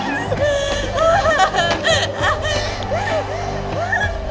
tarik raffa sepanjangnya